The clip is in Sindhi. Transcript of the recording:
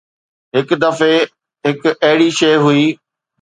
هڪ دفعي هڪ اهڙي شيء هئي.